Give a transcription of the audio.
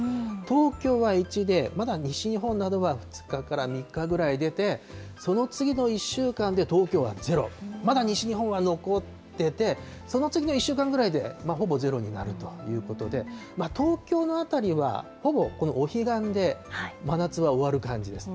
東京は１で、まだ西日本などは２日から３日ぐらい出て、その次の１週間で東京はゼロ、まだ西日本は残ってて、その次の１週間ぐらいでほぼゼロになるということで、東京の辺りはほぼお彼岸で真夏は終わる感じです。